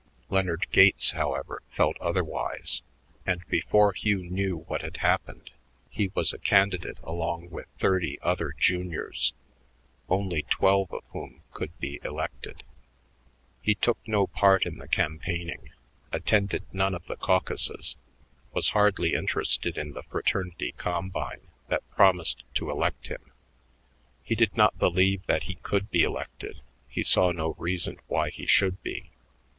Leonard Gates, however, felt otherwise; and before Hugh knew what had happened he was a candidate along with thirty other juniors, only twelve of whom could be elected. He took no part in the campaigning, attended none of the caucuses, was hardly interested in the fraternity "combine" that promised to elect him. He did not believe that he could be elected; he saw no reason why he should be.